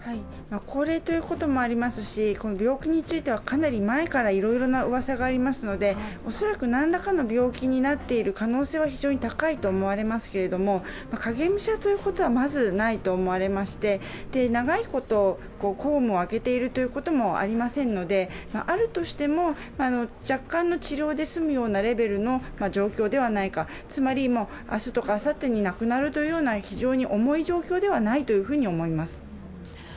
高齢ということもありますしかなり前からいろいろなうわさがありますので恐らく何らかの病気になっている可能性は高いと想われますが、影武者ということはまずないと思われまして長いこと、公務を空けているということもありませんのであるとしても、若干の治療で済むようなレベルでの状況ではないか、つまり明日とかあさってに亡くなるというような非常に重い状況ではないというふうに思います。